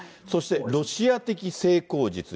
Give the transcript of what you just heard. そしてロシア的成功術。